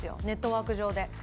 ネットワーク上で。